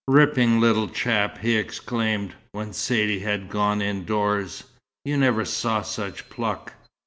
"Ripping little chap," he exclaimed, when Saidee had gone indoors. "You never saw such pluck.